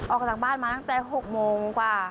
ออกจากบ้านมาตั้งแต่๖โมงกว่า